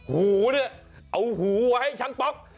หูเนี่ยเอาหูไว้ให้ช่างป๊อก